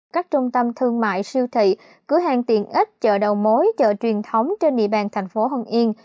các trung tâm thương mại siêu thị cửa hàng tiện ít chợ đầu mối chợ truyền thống trên địa bàn tp hưng yên